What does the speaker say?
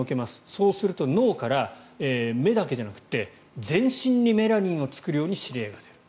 そうすると脳から目だけじゃなくて全身にメラニンを作るように指令が出る。